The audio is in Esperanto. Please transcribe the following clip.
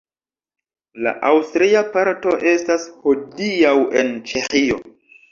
La aŭstria parto estas hodiaŭ en Ĉeĥio.